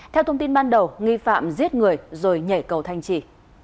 theo thông tin ban đầu nghi phạm giết người rồi nhảy cầu thanh trì